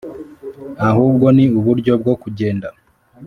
ahubwo ni uburyo bwo kugenda.